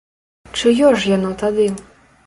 Чыё ж яно тады?